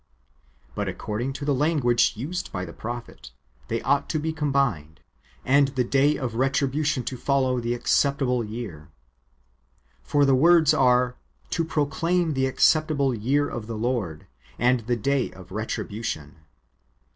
"^ But, according to the language [used by the prophet], they ought to be combined, and the day of retribution to follow the [acceptable] year. For the w^ords are, " to proclaim the acceptable year of the Lord, and the day of retribution."